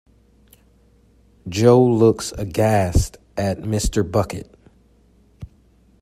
Jo looks aghast at Mr. Bucket.